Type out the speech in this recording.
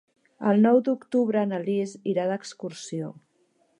El nou d'octubre na Lis irà d'excursió.